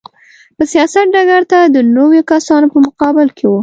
په سیاست ډګر ته د نویو کسانو په مقابل کې و.